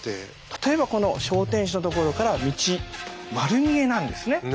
例えばこの小天守のところから道丸見えなんですね。